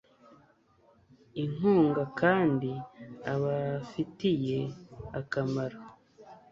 inkunga kandi abafitiye akamaro